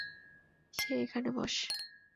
সেই এখন বস।